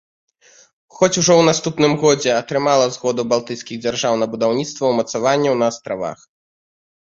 Хоць, ужо ў наступным годзе атрымала згоду балтыйскіх дзяржаў на будаўніцтва ўмацаванняў на астравах.